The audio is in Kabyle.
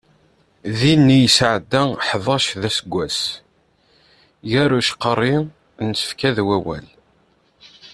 Din i yesɛedda ḥdac d aseggas, gar ucqerri n tfekka d wawal.